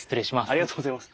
ありがとうございます。